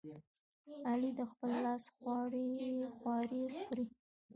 علي د خپل لاس خواري خوري.